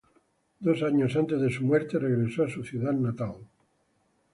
Dos años antes de su muerte, regresó a su ciudad natal.